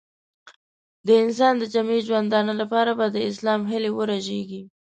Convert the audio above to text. د انسان د جمعي ژوندانه لپاره به د اسلام هیلې ورژېږي.